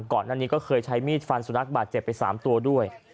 ก่อนหน้านี้ก็เคยใช้มีดฟันสุนัขบาดเจ็บไป๓ตัวด้วย